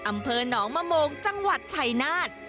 อำเภอหนองมะโมงจังหวัดชัยนาธ